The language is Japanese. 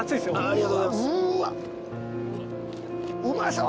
ありがとうございますうまそう！